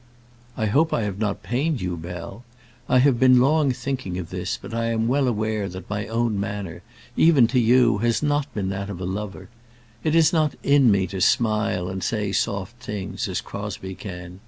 "I hope I have not pained you, Bell. I have been long thinking of this, but I am well aware that my own manner, even to you, has not been that of a lover. It is not in me to smile and say soft things, as Crosbie can.